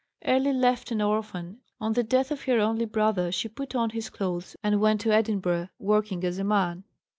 Early left an orphan, on the death of her only brother she put on his clothes and went to Edinburgh, working as a man.